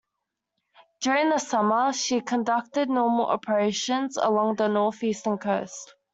During the summer, she conducted normal operations along the northeastern coast.